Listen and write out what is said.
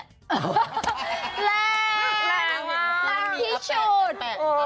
แรง